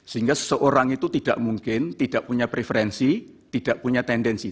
sehingga seseorang itu tidak mungkin tidak punya preferensi tidak punya tendensi